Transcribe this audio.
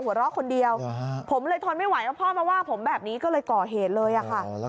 แล้วก็เนี่ยพ่อชอบบ่นว่า